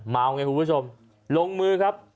มาวง่ายคุณผู้ชมลงมือครับ